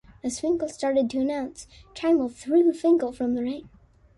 As Finkel started to announce, Chimel threw Finkel from the ring.